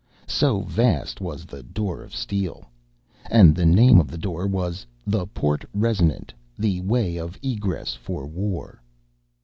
So vast was the door of steel. And the name of the door was The Porte Resonant, the Way of Egress for War.